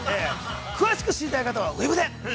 ◆詳しく知りたい方は、ウェブで！